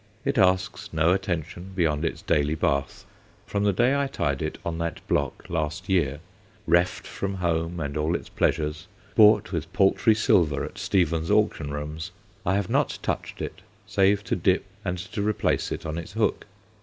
It asks no attention beyond its daily bath. From the day I tied it on that block last year reft from home and all its pleasures, bought with paltry silver at Stevens' Auction Rooms I have not touched it save to dip and to replace it on its hook.